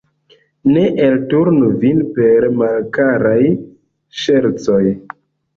Ne elturnu vin per malkaraj ŝercoj!